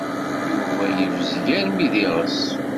Yuba yebzeg armi d iɣes.